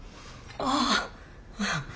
ああ。